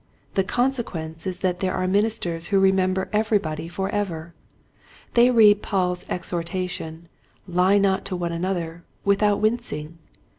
The consequence is that there are ministers who remember everybody for ever. They read Paul's exhortation, " Lie not one to another " without wincing.